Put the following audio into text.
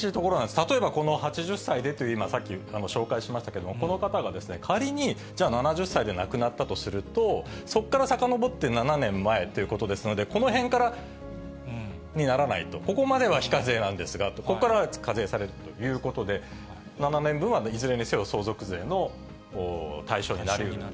例えばこの８０歳でと、さっき紹介しましたけども、この方がですね、仮に、じゃ７０歳で亡くなったとすると、そこからさかのぼって７年前ということですので、このへんからにならないと、ここまでは非課税なんですが、ここからは課税されるということで、７年分は、いずれにせよ、相続税の対象になりうる。